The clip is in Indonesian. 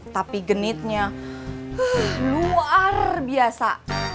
tapi genitnya luar biasa